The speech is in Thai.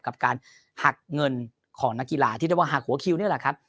กับการหักเงินของนักกีฬาที่เรียกว่าหักหัวคิวนี่แหละครับ